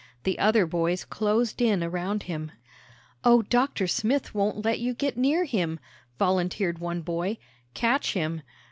The other boys closed in around him. "Oh, Dr. Smith won't let you get near him," volunteered one boy; "catch him!"